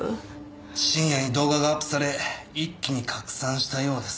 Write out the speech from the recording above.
深夜に動画がアップされ一気に拡散したようですね。